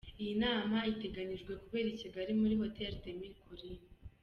Iyi nama iteganyijwe kubera i Kigali, muri Hotel des Mille Collines.